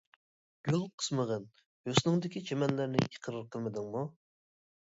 گۈل قىسمىغىن، ھۆسنۈڭدىكى چىمەنلەرنى ئىقرار قىلمىدىڭمۇ.